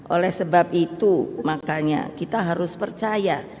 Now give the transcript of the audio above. oleh sebab itu makanya kita harus percaya